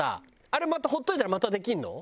あれまたほっといたらまたできるの？